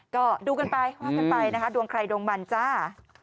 ก็ดูกันไปว่ากันไปนะคะดวงใครดวงมันจ้า